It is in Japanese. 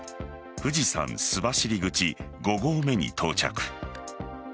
富士山須走口五合目に到着。